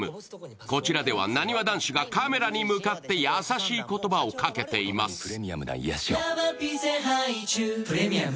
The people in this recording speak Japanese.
こちらでは、なにわ男子がカメラに向かって優しい言葉をかけています。